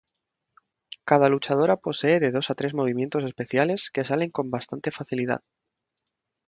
Cada luchadora posee de dos a tres movimientos especiales que salen con bastante facilidad.